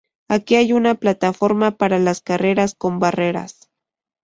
Aquí hay una plataforma para las carreras con barreras.